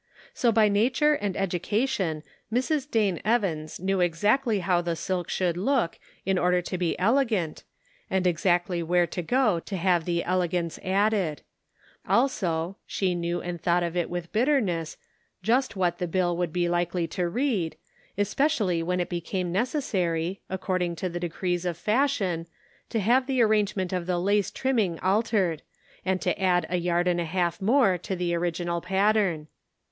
So by nature and education Mrs. Dane Evans knew exactly how the silk should look in order to be elegant, and exactly where to go to have the elegance added ; also, she knew and thought of it with bitterness, just what the bill would be likely to read, especially when it became necessary, according to the decrees of fashion, to have the arrangement of the lace trimming altered, and to add a yard and a half more to the original pattern.